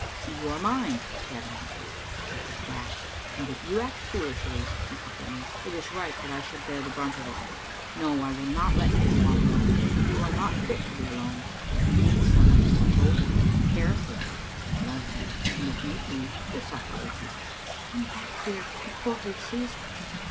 "You are mine," Gavin answered. Babbie gasped. "And if you act foolishly," he continued, "it is right that I should bear the brunt of it. No, I will not let you go on alone; you are not fit to be alone. You need some one to watch over you and care for you and love you, and, if need be, to suffer with you." " Turn back, dear, before he sees us."